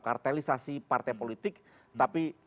kartelisasi partai politik tapi